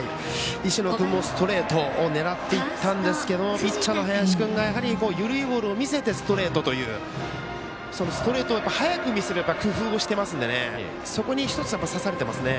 石野君もストレートを狙っていったんですがピッチャーの林君がやはり緩いボールを見せてストレートというストレートを速く見せる工夫をしてますのでそこに１つ刺されてますね。